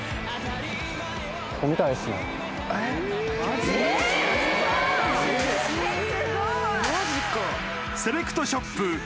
すごい！セレクトショップ